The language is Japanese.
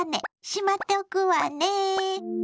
閉まっておくわね！